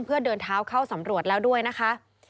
เพื่อเดินเท้าเข้าสำรวจแล้วด้วยนะคะ